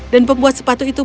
dan pembuat sepatu itu